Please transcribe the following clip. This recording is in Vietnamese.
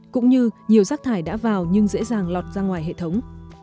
cũng như nhiều rác thải đã vào nhưng dễ dàng lọt ra ngoài hệ thống